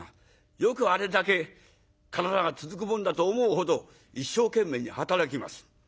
よくあれだけ体が続くもんだと思うほど一生懸命に働きます。